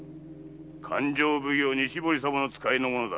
勘定奉行・西堀様の使いの者だ。